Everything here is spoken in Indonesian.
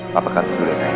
paparkan dulu sayang